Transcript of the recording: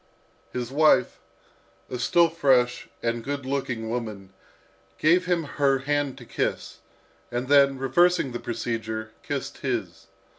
His wife, a still fresh and good looking woman, first gave him her hand to kiss, and then, reversing the procedure, kissed his.